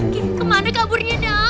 k kemana kaburnya dam